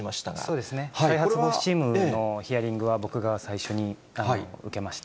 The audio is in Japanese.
そうですね、再発防止チームのヒアリングは僕が最初に受けました。